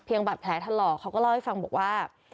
เพียงบาดแผลทะเลาะเขาก็เล่าให้ฟังบอกว่า